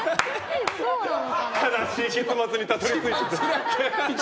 悲しい結末にたどり着いた。